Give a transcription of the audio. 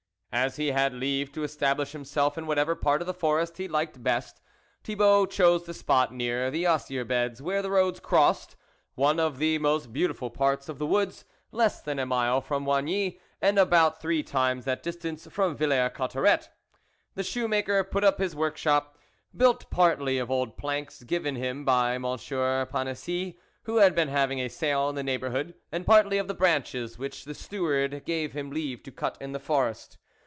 As he had leave to establish himself in whatever part of the forest he liked best, Thibault chose the spot near the osier beds, where the roads crossed, one of the most beautiful parts of the woods, less than a mile from Oigny and about three times that distance from Villers Cotterets. The shoe maker put up his work shop, built partly of old planks given him by M. Panisis, who had been having a sale in the neighbourhood, and partly of the branches which the steward gave him leave to cut in the forest.